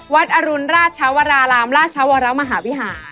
วัดอรุณราชวรราหลามราชวรราวมหาวิหาร